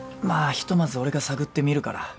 まあひとまず俺が探ってみるから。